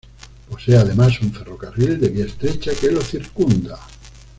Posee además un ferrocarril de vía estrecha que lo circunda.